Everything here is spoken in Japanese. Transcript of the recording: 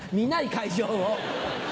会場を。